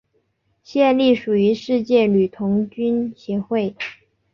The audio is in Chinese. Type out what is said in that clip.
现隶属于世界女童军协会。